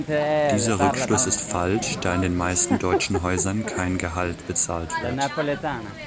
Dieser Rückschluss ist falsch, da in den meisten deutschen Häusern kein Gehalt bezahlt wird.